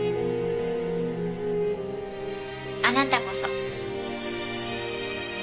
あなたこそ。